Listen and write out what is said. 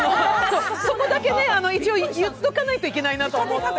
そこだけね、一応言っておかないといけないなと思って。